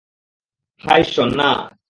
হায় ঈশ্বর, না!